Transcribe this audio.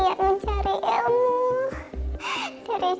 sekolah yang selama ini diidam idamkan niat mencari ilmu